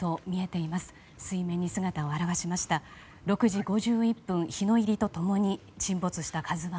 ６時５１分、日の入りと共に沈没した「ＫＡＺＵ１」